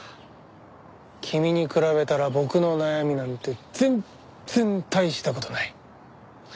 君に比べたら僕の悩みなんて全然大した事ない。